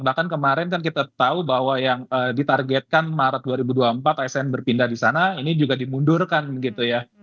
bahkan kemarin kan kita tahu bahwa yang ditargetkan maret dua ribu dua puluh empat asn berpindah di sana ini juga dimundurkan gitu ya